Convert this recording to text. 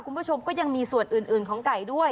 คุณผู้ชมก็ยังมีส่วนอื่นของไก่ด้วย